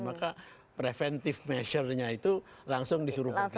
maka preventif measure nya itu langsung disuruh balik saja